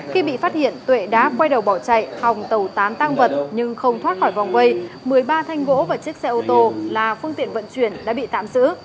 khi bị phát hiện tuệ đã quay đầu bỏ chạy hòng tàu tán tăng vật nhưng không thoát khỏi vòng vây một mươi ba thanh gỗ và chiếc xe ô tô là phương tiện vận chuyển đã bị tạm giữ